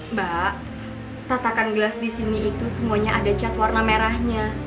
mbak tatakan gelas di sini itu semuanya ada cat warna merahnya